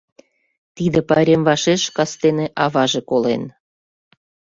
Тиде пайрем вашеш кастене аваже колен.